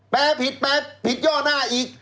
แปลผิดผิดย่อหน้าอีก